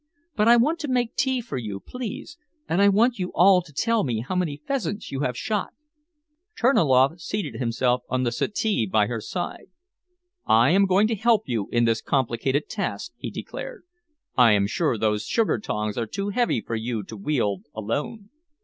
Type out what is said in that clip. But I want to make tea for you, please, and I want you all to tell me how many pheasants you have shot." Terniloff seated himself on the settee by her side. "I am going to help you in this complicated task," he declared. "I am sure those sugar tongs are too heavy for you to wield alone."